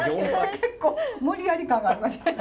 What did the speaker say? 結構無理やり感がありますね。